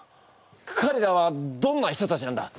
かれらはどんな人たちなんだ？